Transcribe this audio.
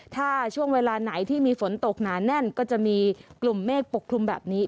ถ้าช่วงเวลาไหนที่มีฝนตกหนาแน่นก็จะมีกลุ่มเมฆปกคลุมแบบนี้